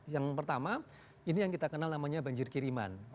yang pertama ini yang kita kenal namanya banjir kiriman